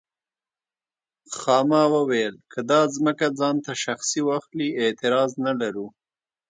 خاما وویل که دا ځمکه ځان ته شخصي واخلي اعتراض نه لرو.